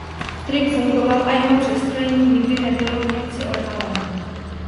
Trik fungoval a jeho přestrojení nikdy nebylo Němci odhaleno.